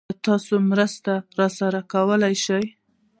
ايا تاسې مرسته راسره کولی شئ؟